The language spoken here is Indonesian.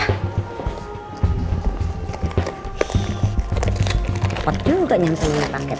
cepet juga nyampe punya paket